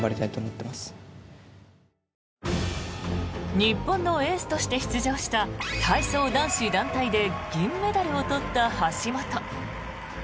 日本のエースとして出場した体操男子団体で銀メダルを取った橋本。